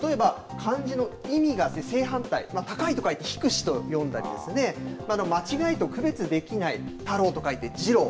例えば漢字の意味が正反対高とかいて、ひくしと読んだり間違いと区別できない太郎と書いて、じろう。